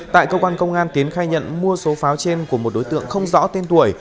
tại cơ quan công an tiến khai nhận mua số pháo trên của một đối tượng không rõ tên tuổi